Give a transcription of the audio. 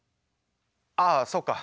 ああそうか。